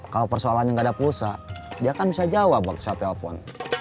kalau persoalannya gak ada pulsa dia kan bisa jawab waktu saya telpon